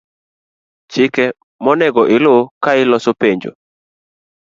Chike monego ilu kailoso penjo.